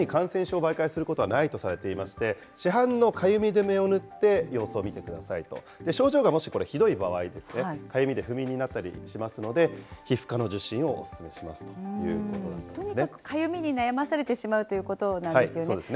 蚊のように感染症を媒介することはないとされていまして、市販のかゆみ止めを塗って、様子を見てくださいと、症状がもしこれひどい場合ですね、かゆみで不眠になったりしますので、皮膚科の受診とにかくかゆみに悩まされてしまうということなんですね。